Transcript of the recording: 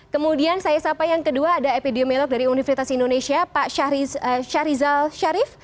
kemudian saya sapa yang kedua ada epidemiolog dari universitas indonesia pak syarizal sharif